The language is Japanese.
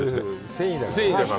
繊維だから。